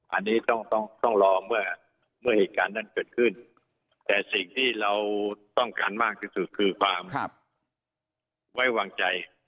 อันนี้ต้องต้องลองเมื่อเหตุการณ์นั้นเกิดขึ้นแต่สิ่งที่เราต้องการมากที่สุดคือความไว้วางใจ